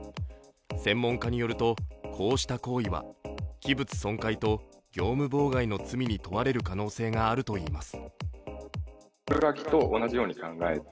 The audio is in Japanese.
専門家によるとこうした行為は器物損壊と業務妨害の罪に問われる可能性があるといいます。